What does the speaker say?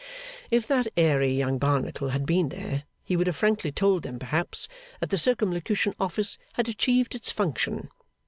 If that airy young Barnacle had been there, he would have frankly told them perhaps that the Circumlocution Office had achieved its function.